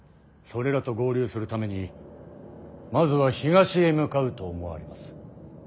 それらと合流するためにまずは東へ向かうと思われます。